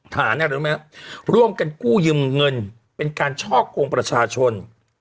หามร่วมกันกู้ยึมเงินเป็นการชอกโกงประชาชน